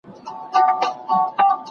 دروغ ويل د زړه نارامي ده.